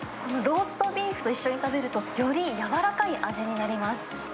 ローストビーフと一緒に食べると、より柔らかい味になります。